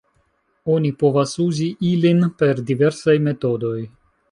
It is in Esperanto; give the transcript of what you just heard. Oni povas uzi ilin per diversaj metodoj.